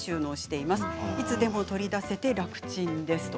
いつでも取り出せて楽ちんです。